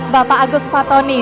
bapak agus fatoni